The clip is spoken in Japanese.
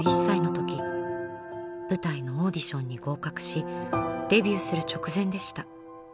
舞台のオーディションに合格しデビューする直前でした。